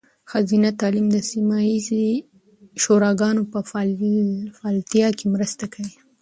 ښځینه تعلیم د سیمه ایزې شوراګانو په فعالتیا کې مرسته کوي.